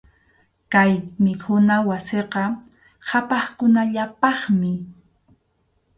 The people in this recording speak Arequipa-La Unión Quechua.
Kay mikhuna wasiqa qhapaqkunallapaqmi.